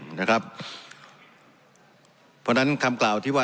เพราะฉะนั้นคำกล่าวที่ว่า